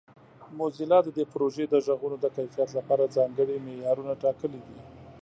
موزیلا د دې پروژې د غږونو د کیفیت لپاره ځانګړي معیارونه ټاکلي دي.